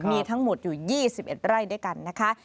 มีทั้งหมดอยู่๒๑ไร่ด้วยกันนะคะ